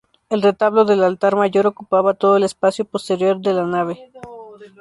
El retablo del altar mayor ocupaba todo el espacio posterior de la nave.